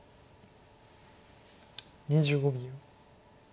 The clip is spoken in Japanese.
２５秒。